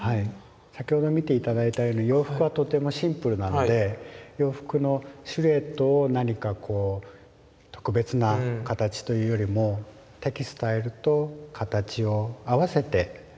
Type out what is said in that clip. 先ほど見て頂いたように洋服はとてもシンプルなので洋服のシルエットを何かこう特別な形というよりもちょっとね